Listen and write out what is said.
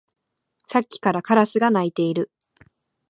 さっきからカラスが鳴いている